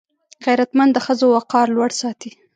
غیرتمند د ښځو وقار لوړ ساتي